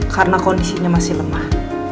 karena kondisinya masih lemah